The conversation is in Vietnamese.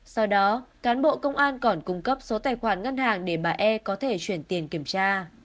sau đó cán bộ công an còn cung cấp số tài khoản ngân hàng để bà e có thể chuyển tiền kiểm tra